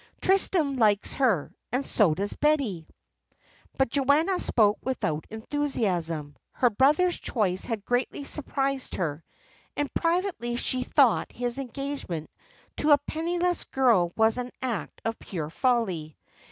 "Tristram likes her, and so does Betty." But Joanna spoke without enthusiasm. Her brother's choice had greatly surprised her, and privately she thought his engagement to a penniless girl was an act of pure folly.